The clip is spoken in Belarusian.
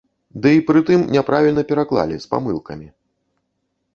Ды і пры тым няправільна пераклалі, з памылкамі.